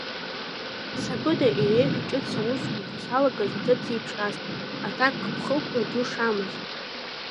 Сабыда иреиҳәеит ҿыц аусура дахьалагаз аҭыԥ зеиԥшраз, аҭакԥхықәра ду шамаз.